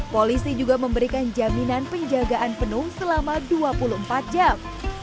polisi juga memberikan jaminan penjagaan penuh selama dua puluh empat jam